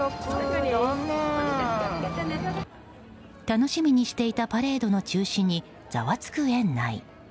楽しみにしていたパレードの中止にざわつく園内。